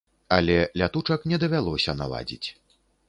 Але лятучак не давялося наладзіць.